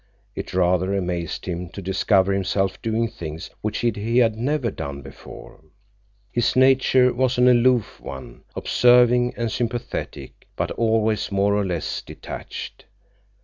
It rather amazed him to discover himself doing things which he had never done before. His nature was an aloof one, observing and sympathetic, but always more or less detached.